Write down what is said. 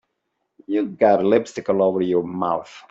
You've got lipstick all over your mouth.